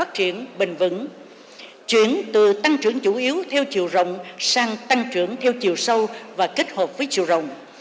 chính từ tăng trưởng chủ yếu theo chiều rộng sang tăng trưởng theo chiều sâu và kết hợp với chiều rộng